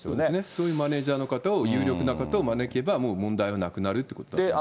そういうマネージャーの方を、有力な方を招けば、もう問題はなくなるということだと思いますね。